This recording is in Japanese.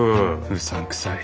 うさんくさい。